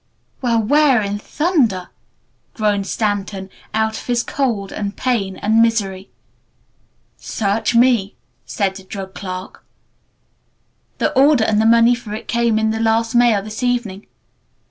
"Well, where in thunder ?" groaned Stanton out of his cold and pain and misery. "Search me!" said the drug clerk. "The order and the money for it came in the last mail this evening.